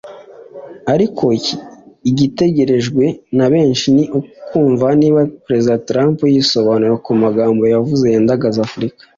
Ariko igitegerejwe na benshi ni ukumva niba Perezida Trump yisobanura ku magambo yavuze yandagaza Afurika